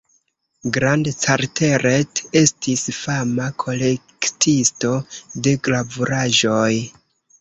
Grand-Carteret estis fama kolektisto de gravuraĵoj.